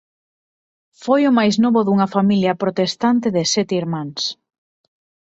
Foi o máis novo dunha familia protestante de sete irmáns.